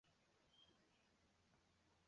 有时也被称为意涵更广泛的表达自由。